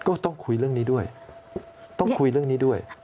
ก็ต้องคุยเรื่องนี้ด้วยต้องคุยเรื่องนี้ด้วย